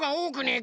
え？